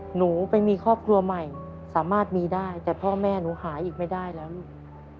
หนูไปมีครอบครัวใหม่สามารถมีได้แต่พ่อแม่หนูหายอีกไม่ได้แล้วลูก